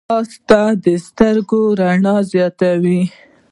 ځغاسته د سترګو رڼا زیاتوي